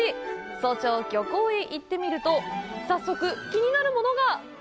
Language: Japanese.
早朝、漁港へ行ってみると、早速、気になるものが！